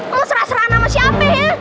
kalau serah serahan sama siapa ya